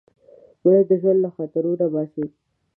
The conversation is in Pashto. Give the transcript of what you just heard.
مړه د ژوند له خاطرو نه باسې